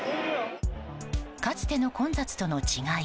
かつての混雑との違い